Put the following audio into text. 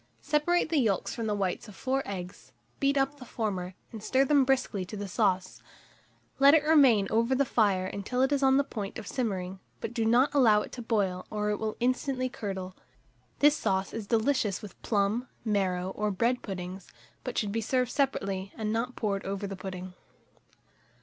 Separate the yolks from the whites of 4 eggs; beat up the former, and stir them briskly to the sauce; let it remain over the fire until it is on the point of simmering; but do not allow it to boil, or it will instantly curdle. This sauce is delicious with plum, marrow, or bread puddings; but should be served separately, and not poured over the pudding.